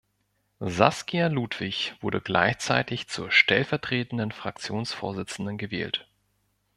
Saskia Ludwig wurde gleichzeitig zur stellvertretenden Fraktionsvorsitzenden gewählt.